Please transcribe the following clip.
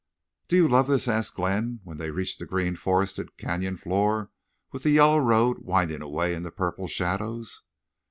"Do you love this?" asked Glenn, when they reached the green forested canyon floor, with the yellow road winding away into the purple shadows.